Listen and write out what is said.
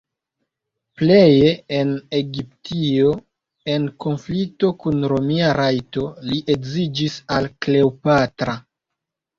Pleje en Egiptio en konflikto kun romia rajto li edziĝis al Kleopatra.